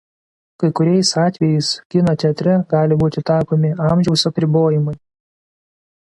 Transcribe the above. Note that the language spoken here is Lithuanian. Kai kuriais atvejais kino teatre gali būti taikomi amžiaus apribojimai.